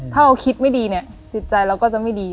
ถ้าเราคิดไม่ดีเนี่ยจิตใจเราก็จะไม่ดี